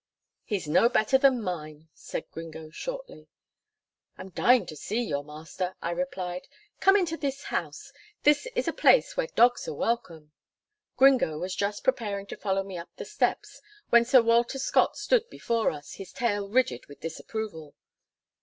"He's no better than mine," said Gringo shortly. "I'm dying to see your master," I replied. "Come in to this house. This is a place where dogs are welcome." Gringo was just preparing to follow me up the steps, when Sir Walter Scott stood before us his tail rigid with disapproval.